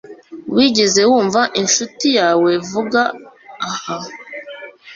Wigeze wumva inshuti yawe vuba aha?